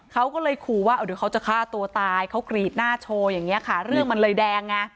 เขาก็เลยขู่ว่าเดี๋ยวเขาจะฆ่าตัวตายเขากรีดหน้าโชว์อย่างนี้ค่ะเรื่องมันเลยแดงไง